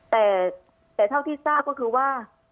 แต่เท่าที่ทราบก็คือว่า